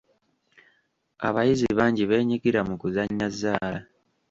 Abayizi bangi beenyigira mu kuzannya zzaala.